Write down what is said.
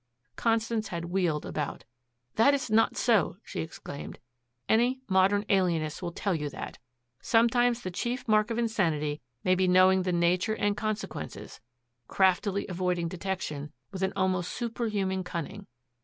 Constance had wheeled about. "That is not so," she exclaimed. "Any modern alienist will tell you that. Sometimes the chief mark of insanity may be knowing the nature and consequences, craftily avoiding detection with an almost superhuman cunning.